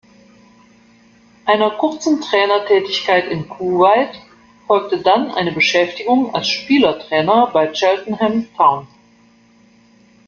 Einer kurzen Trainertätigkeit in Kuwait folgte dann eine Beschäftigung als Spielertrainer bei Cheltenham Town.